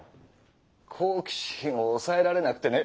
好奇心をおさえられなくてね。